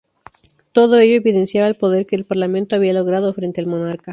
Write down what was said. Todo ello evidenciaba el poder que el Parlamento había logrado frente al monarca.